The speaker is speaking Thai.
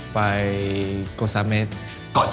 ไปกรอศัมเมฆ